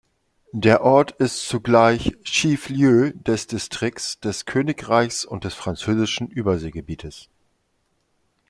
Der Ort ist zugleich Chef-lieu des Distrikts, des Königreichs und des französischen Überseegebiets.